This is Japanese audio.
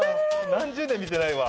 何十年見てないわ。